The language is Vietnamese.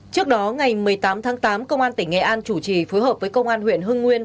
trước đó ngày một mươi tám tháng tám công an tỉnh nghệ an chủ trì phối hợp với công an huyện hưng nguyên